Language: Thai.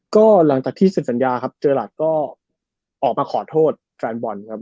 ก็หลังจากที่เซ็นสัญญาครับเจอหลักก็ออกมาขอโทษแฟนบอลครับ